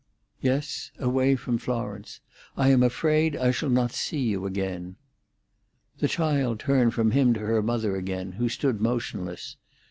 "Yes—away from Florence. I'm afraid I shall not see you again." The child turned from him to her mother again, who stood motionless.